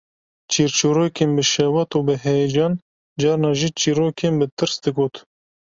Çîrçîrokên bi şewat û bi heyecan, carna jî çîrokên bi tirs digot